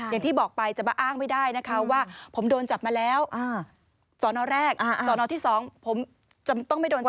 อย่างที่บอกไปจะมาอ้างไม่ได้นะคะว่าผมโดนจับมาแล้วสอนอแรกสอนอที่๒ผมจะต้องไม่โดนจับ